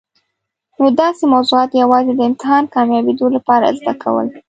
نو داسي موضوعات یوازي د امتحان کامیابېدو لپاره زده کول.